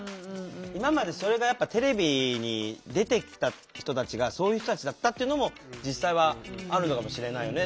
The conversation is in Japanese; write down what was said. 今までそれがテレビに出てきた人たちがそういう人たちだったっていうのも実際はあるのかもしれないよね。